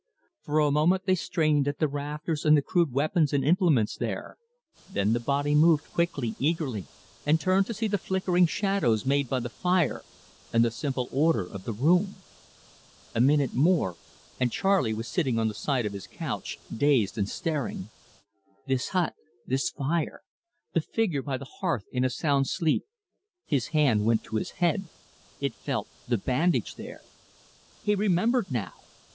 For a moment they strained at the rafters and the crude weapons and implements there, then the body moved, quickly, eagerly, and turned to see the flickering shadows made by the fire and the simple order of the room. A minute more, and Charley was sitting on the side of his couch, dazed and staring. This hut, this fire, the figure by the hearth in a sound sleep his hand went to his head: it felt the bandage there! He remembered now!